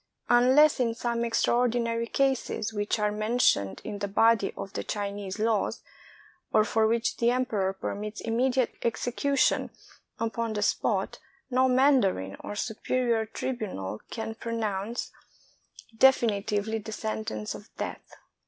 Unless in some extraordinary cases, which are men tioned in the body of the Chinese laws, or for which the emperor permits immediate execution upon the spot, no mandarin or superior tribunal can pronounce 185 CHINA definitively the sentence of death.